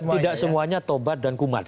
tidak semuanya tobat dan kuman